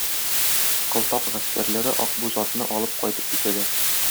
Кылтап гаскәрләре Акбүз атны алып кайтып китәләр.